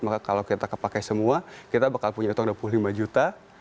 maka kalau kita pakai semua kita akan punya dua puluh lima juta